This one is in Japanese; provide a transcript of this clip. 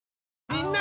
みんな！